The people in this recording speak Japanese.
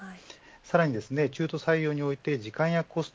さらに中途採用において時間やコスト